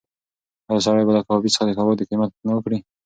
ایا سړی به له کبابي څخه د کباب د قیمت پوښتنه وکړي؟